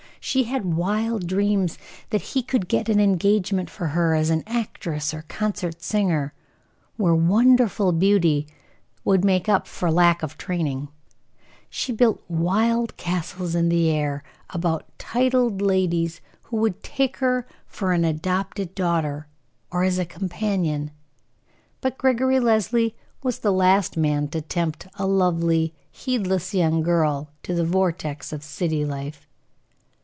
She had wild dreams that he could get an engagement for her as an actress or concert singer, where wonderful beauty would make up for lack of training; she built wild castles in the air, about titled ladies who would take her for an adopted daughter, or as a companion. But Gregory Leslie was the last man to tempt a lovely, heedless young girl to the vortex of city life.